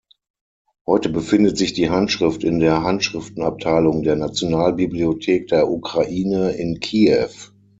Heute befindet sich die Handschrift in der Handschriftenabteilung der Nationalbibliothek der Ukraine in Kiew.